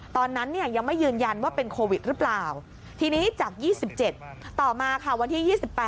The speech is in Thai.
ตอนนั้นเนี่ยยังไม่ยืนยันว่าเป็นโควิดหรือเปล่าทีนี้จาก๒๗ต่อมาค่ะวันที่๒๘